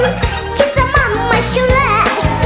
ลูกเถอะมันมาชิวแล